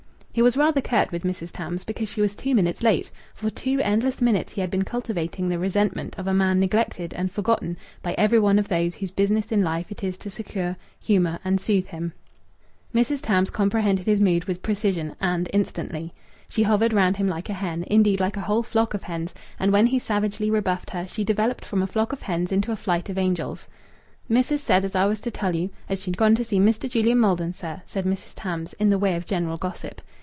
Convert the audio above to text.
He was rather curt with Mrs. Tams because she was two minutes late; for two endless minutes he had been cultivating the resentment of a man neglected and forgotten by every one of those whose business in life it is to succour, humour, and soothe him. Mrs. Tams comprehended his mood with precision, and instantly. She hovered round him like a hen, indeed like a whole flock of hens, and when he savagely rebuffed her she developed from a flock of hens into a flight of angels. "Missis said as I was to tell you as she'd gone to see Mr. Julian Maldon, sir," said Mrs. Tams, in the way of general gossip.